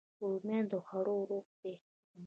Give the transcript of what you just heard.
رومیان د خوړو روح دي